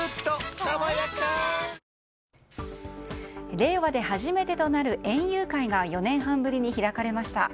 令和で初めてとなる園遊会が４年半ぶりに開かれました。